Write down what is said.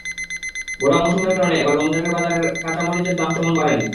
ভরা মৌসুমের কারণে এবার রমজানের বাজারেও কাঁচা মরিচের দাম তেমন বাড়েনি।